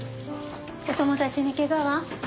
お友達にケガは？